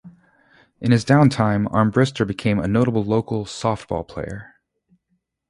In his downtime, Armbrister became a notable local softball player.